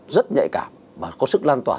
rất nhạy cảm và có sức lan tỏa